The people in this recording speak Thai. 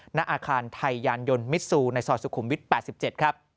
หน้าอาคารไทยยานยนมิซูในซอยสุขุมวิทย์๘๗ครับ